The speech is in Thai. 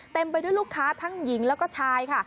ไปด้วยลูกค้าทั้งหญิงแล้วก็ชายค่ะ